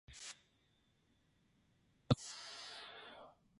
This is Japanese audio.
蜜柑は、色のあざやかな、大きさの揃った品であった。